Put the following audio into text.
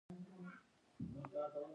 مکتبونه باید څنګه فعال شي؟